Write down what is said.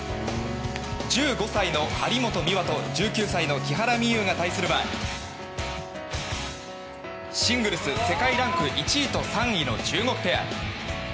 １５歳の張本美和と１９歳の木原美悠が対するはシングルス世界ランク１位と３位の中国ペア。